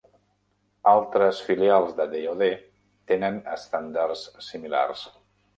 Altres filials de DoD tenen estàndards similars.